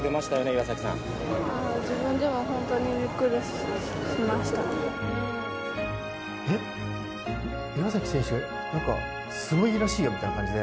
岩崎選手なんかすごいらしいよみたいな感じで。